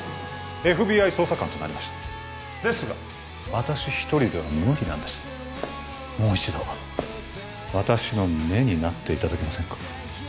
ＦＢＩ捜査官となりましたですが私一人では無理なんですもう一度私の目になっていただけませんか？